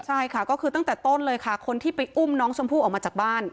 ใช่ค่ะก็คือตั้งแต่ต้นเลยค่ะคนที่ไปอุ้มน้องชมพู่ออกมาจากบ้าน